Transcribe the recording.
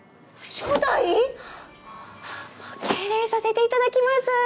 初代⁉敬礼させていただきます。